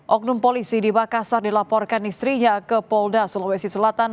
oknum polisi di makassar dilaporkan istrinya ke polda sulawesi selatan